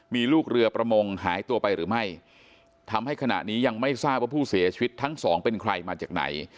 มีลูกเรือประมงหายตัวไปหรือไม่ทำให้ขณะนี้ยังไม่ทราบว่าผู้เสียชีวิตทั้งสองเป็นใครมาจากไหน